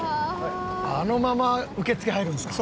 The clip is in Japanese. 「あのまま受付入るんですか？」